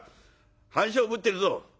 半鐘ぶってるぞ。